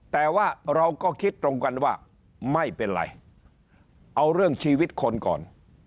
แต่ว่าเราก็คิดตรงกันว่าไม่เป็นไรเอาเรื่องชีวิตคนก่อน